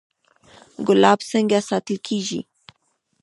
ګلاب څنګه ساتل کیږي؟